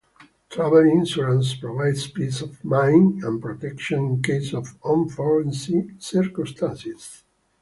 Travel insurance provides peace of mind and protection in case of unforeseen circumstances.